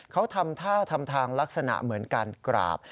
เขาทำท่าทำทางลักษณะเหมือนการกราบ